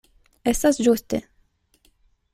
Estas ĝuste.